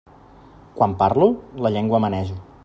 Quan parlo, la llengua manejo.